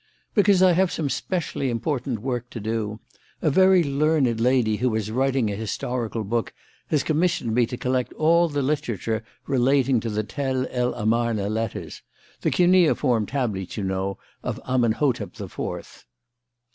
"Because I have some specially important work to do. A very learned lady who is writing a historical book has commissioned me to collect all the literature relating to the Tell el Amarna letters the cuneiform tablets, you know, of Amenhotep the Fourth."